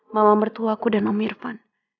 mama mertuaku dan om irfan